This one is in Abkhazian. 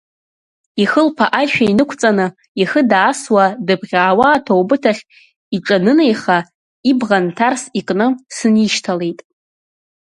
Ихылԥа аишәа инықәҵаны, ихы даасуа, дыбӷьаауа аҭоубыҭ ахь иҿанынеиха, ибӷа нҭарс икны сынишьҭалеит.